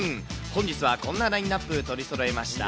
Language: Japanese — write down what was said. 本日はこんなラインナップ、取りそろえました。